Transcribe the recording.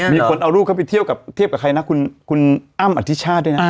ลุงคลเอาลูกเขาไปเทียบกับใครนะคุณอ้ามอธิชชาติด้วยนะ